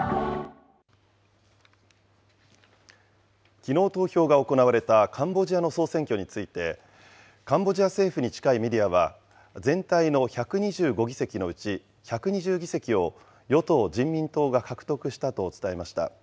きのう投票が行われた、カンボジアの総選挙について、カンボジア政府に近いメディアは、全体の１２５議席のうち、１２０議席を、与党・人民党が獲得したと伝えました。